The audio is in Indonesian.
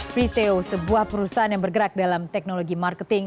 friteo sebuah perusahaan yang bergerak dalam teknologi marketing